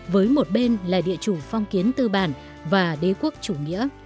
với một bên là địa chủ phong kiến tư bản và đế quốc chủ nghĩa